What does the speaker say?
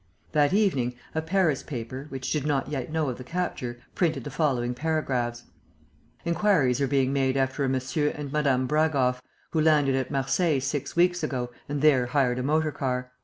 That evening, a Paris paper, which did not yet know of the capture, printed the following paragraphs: "Enquiries are being made after a M. and Mme. Bragoff, who landed at Marseilles six weeks ago and there hired a motor car.